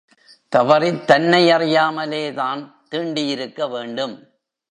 தவறித் தன்னை அறியாமலே தான் தீண்டியிருக்க வேண்டும்.